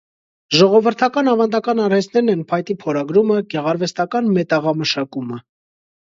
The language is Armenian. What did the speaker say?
Ժողովրդական ավանդական արհեստներն են փայտի փորագրումը, գեղարվեստական մետաղամշակումը։